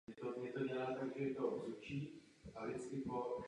Na Pyrenejském poloostrově žili lidé již před pěti tisíci lety.